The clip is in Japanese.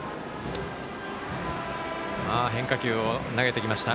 変化球を投げてきました。